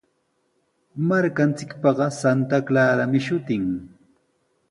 Markanchikpaqa Santa Clarami shutin.